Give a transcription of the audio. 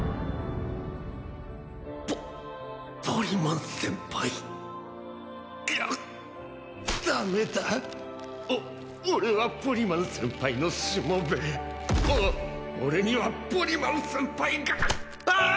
ポポリマン先輩ぐっダメだお俺はポリマン先輩のしもべお俺にはポリマン先輩がああああ！